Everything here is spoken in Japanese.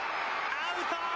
アウト。